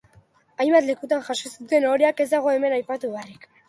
Hainbat lekutan jaso zituen ohoreak ez dago hemen aipatu beharrik.